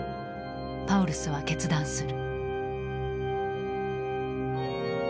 パウルスは決断する。